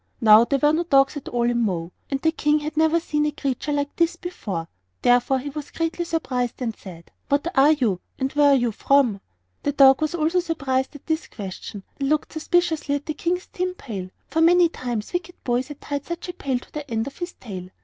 Now there were no dogs at all in Mo, and the King had never seen a creature like this before; therefore he was greatly surprised, and said: "What are you, and where do you come from?" The dog also was surprised at this question, and looked suspiciously at the King's tin pail; for many times wicked boys had tied such a pail to the end of his tail.